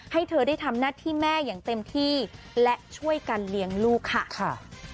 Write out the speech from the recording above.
ให้เธอได้ทำหน้าที่แม่อย่างเต็มที่และช่วยกันเลี้ยงลูกค่ะ